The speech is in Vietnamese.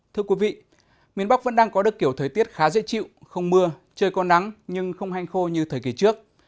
thưa quý vị miền bắc vẫn đang có được kiểu thời tiết khá dễ chịu không mưa trời có nắng nhưng không hanh khô như thời kỳ trước